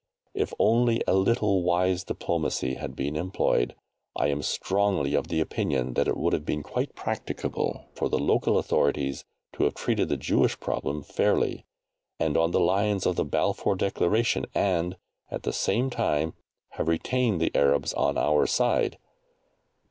If only a little wise diplomacy had been employed, I am strongly of the opinion that it would have been quite practicable for the local authorities to have treated the Jewish problem fairly and on the lines of the Balfour Declaration and, at the same time, have retained the Arabs on our side.